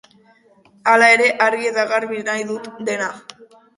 Hala ere, argi eta garbi nahi dut dena.